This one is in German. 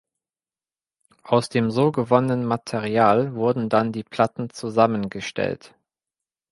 Aus dem so gewonnenen Material wurden dann die Platten zusammengestellt.